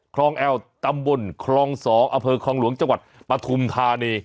คลองแอลตำบลคลอง๒อำเภอคลองหลวงจังหวัดปฐุมธานี